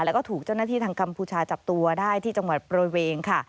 แล้วก็ถูกเจ้าหน้าที่ทางกัมพูชาจับตัวได้ที่จังหวัดประเวงค่ะ